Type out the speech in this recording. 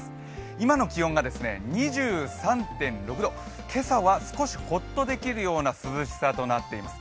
今の気温が２３．６度、今朝は少しホッとできるような涼しさとなっています。